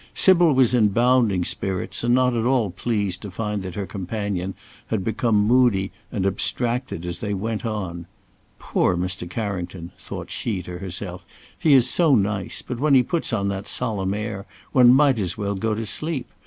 Sybil was in bounding spirits and not at all pleased to find that her companion became moody and abstracted as they went on. "Poor Mr. Carrington!" thought she to herself, "he is so nice; but when he puts on that solemn air, one might as well go to sleep.